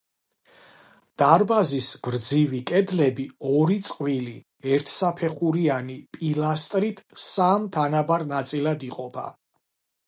დარბაზის გრძივი კედლები ორი წყვილი, ერთსაფეხურიანი პილასტრით სამ თანაბარ ნაწილად იყოფა.